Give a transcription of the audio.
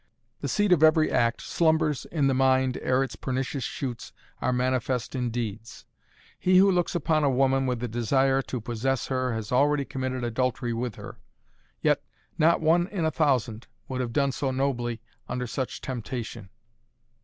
"The seed of every act slumbers in the mind ere its pernicious shoots are manifest in deeds. He who looks upon a woman with the desire to possess her has already committed adultery with her. Yet not one in a thousand would have done so nobly under such temptation!"